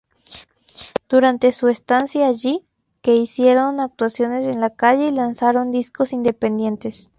Durante su estancia allí, que hicieron actuaciones en la calle y lanzaron discos independientes.